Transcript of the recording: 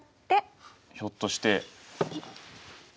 ひょっとして。